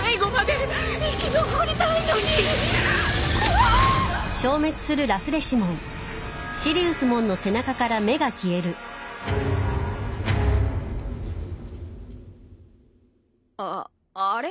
・あああれ？